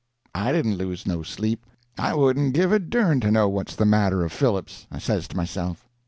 I didn't lose no sleep. I wouldn't give a dern to know what's the matter of Phillips, I says to myself.